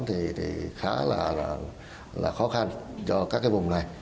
thì khá là khó khăn cho các vùng này